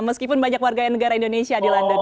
meskipun banyak warga negara indonesia di london